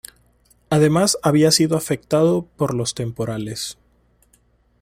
Además había sido afectado por los temporales.